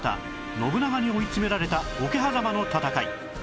信長に追い詰められた桶狭間の戦い